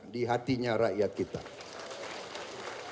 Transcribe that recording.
di hatinya baliho kita nanti ada di rakyat kita